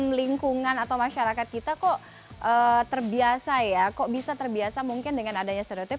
lingkungan atau masyarakat kita kok terbiasa ya kok bisa terbiasa mungkin dengan adanya stereotip